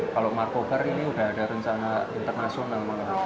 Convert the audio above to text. kalau markobar ini udah ada rencana internasional